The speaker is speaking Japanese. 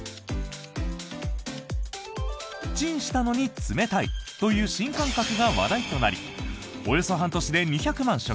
チンしたのに冷たいという新感覚が話題となりおよそ半年で２００万食